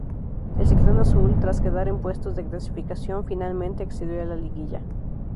El "Ciclón Azul", tras quedar en puestos de clasificación, finalmente accedió a la liguilla.